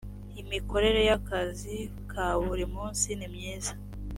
imikorere y ‘akazi ka buri munsi nimyiza.